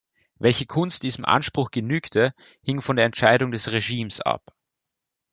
Welche Kunst diesem Anspruch genügte, hing von der Entscheidung des Regimes ab.